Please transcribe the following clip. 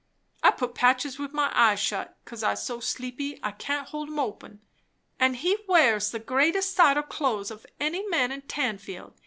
I put patches with my eyes shut, 'cause I's so sleepy I can't hold 'em open. An' he wears the greatest sight o' clothes of any man in Tanfield.